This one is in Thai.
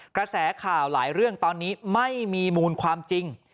กระแสข่าวหลายเรื่องตอนนี้ไม่มีมูลความจริง